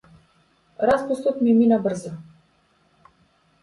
Распустот ми мина брзо.